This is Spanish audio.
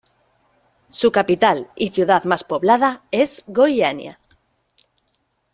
Su capital y ciudad más poblada es Goiânia.